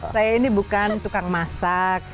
saya ini bukan tukang masak